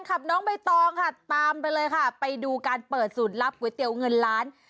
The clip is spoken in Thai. น้องใบตองค่ะตามไปเลยค่ะไปดูการเปิดสูตรลับก๋วยเตี๋ยวเงินล้าน